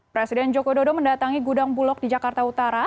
presiden joko dodo mendatangi gudang bulog di jakarta utara